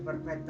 super petra dua